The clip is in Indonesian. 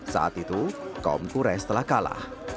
saat itu kaum quraish telah kalah